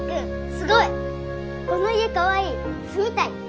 すごいこの家かわいい住みたい。